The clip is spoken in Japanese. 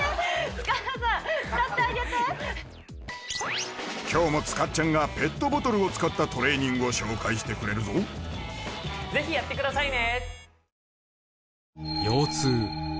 塚田さん使ってあげて今日も塚ちゃんがペットボトルを使ったトレーニングを紹介してくれるぞ是非やってくださいね！